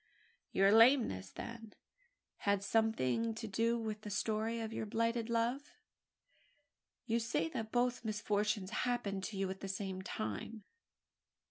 "Your lameness, then, had something to do with the story of your blighted love? You say that both misfortunes happened to you at the same time!"